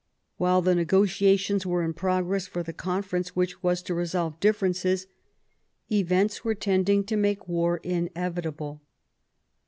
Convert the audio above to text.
While the negotiations were in progress for the conference which was to resolve differences, events were tending to make war inevitable.